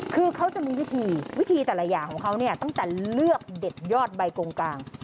คือเขาจะมีวิธีวิธีแต่ละอย่างของเขาเนี่ยตั้งแต่เลือกเด็ดยอดใบกงกลาง